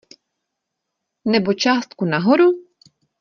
Nebo částku nahoru?